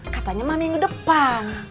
katanya mami minggu depan